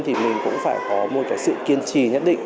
thì mình cũng phải có một cái sự kiên trì nhất định